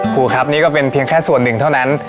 ครูครับนี่ก็เป็นเพียงแค่ส่วนหนึ่งเท่านั้น